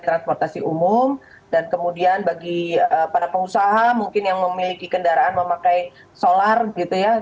transportasi umum dan kemudian bagi para pengusaha mungkin yang memiliki kendaraan memakai solar gitu ya